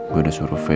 lalu aku mau kemana